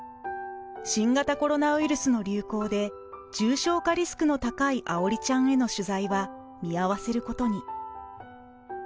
新型コロナウイルスの流行で重症化リスクの高い愛織ちゃんへの取材は見合わせることに。